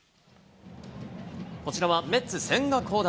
こちらはメッツ、千賀滉大。